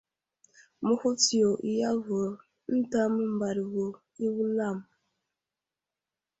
Məhutsiyo i avər ənta məmbaɗ vo i wulam.